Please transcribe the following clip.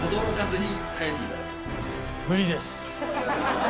無理です！